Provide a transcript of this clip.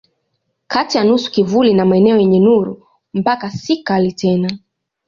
Kati ya nusu kivuli na maeneo yenye nuru mpaka si kali tena.